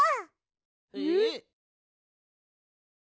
えっ！？